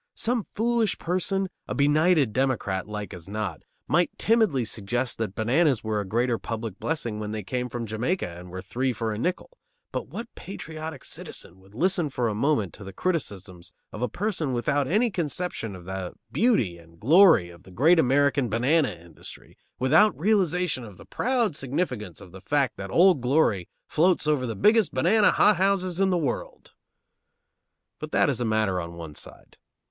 Some foolish person, a benighted Democrat like as not, might timidly suggest that bananas were a greater public blessing when they came from Jamaica and were three for a nickel, but what patriotic citizen would listen for a moment to the criticisms of a person without any conception of the beauty and glory of the great American banana industry, without realization of the proud significance of the fact that Old Glory floats over the biggest banana hothouses in the world! But that is a matter on one side.